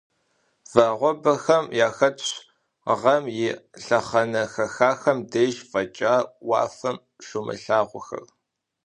Вагъуэбэхэм яхэтщ гъэм и лъэхъэнэ хэхахэм деж фӀэкӀа уафэм щумылъагъухэр.